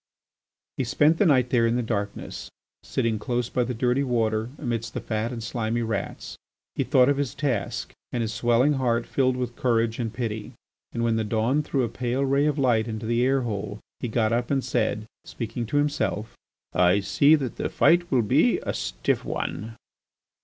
He spent the night there in the darkness, sitting close by the dirty water amidst the fat and slimy rats. He thought of his task, and his swelling heart filled with courage and pity. And when the dawn threw a pale ray of light into the air hole he got up and said, speaking to himself: "I see that the fight will be a stiff one."